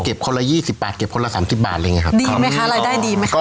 คนละยี่สิบบาทเก็บคนละสามสิบบาทอะไรอย่างเงี้ครับดีไหมคะรายได้ดีไหมคะ